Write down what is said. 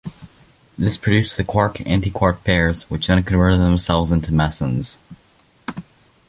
This produced the quark-antiquark pairs, which then converted themselves into mesons.